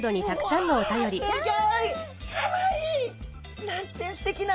かわいい！なんてすてきな！